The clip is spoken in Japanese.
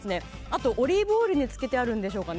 あと、オリーブオイルに漬けてあるんでしょうか